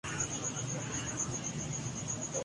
کو اردو میں نبات خانے کا اثر